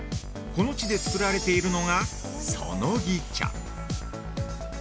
この地で作られているのが「そのぎ茶」